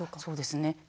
そうですね。